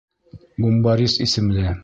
Бумбарис исемле.